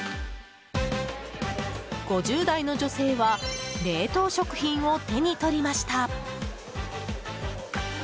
５０代の女性は冷凍食品を手に取りました。